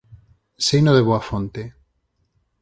Seino de boa fonte.